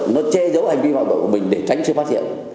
nó che giấu hành vi phạm tội của mình để tránh truyền phát hiệu